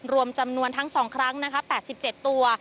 รวมจำนวนทั้ง๒ครั้ง๘๗ตัว